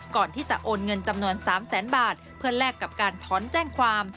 ก่อนที่จะโอนเงินจำนวน๓แสนบาทเพื่อแลกกับการถอนแจ้งความ